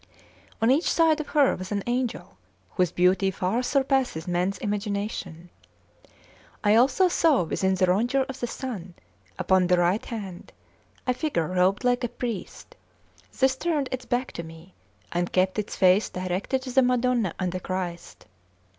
On each side of her was an angel, whose beauty far surpasses man's imagination. I also saw within the rondure of the sun, upon the right hand, a figure robed like a priest; this turned its back to me, and kept its face directed to the Madonna and the Christ.